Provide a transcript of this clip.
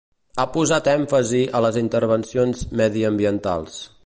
Ha posat èmfasi a les intervencions mediambientals.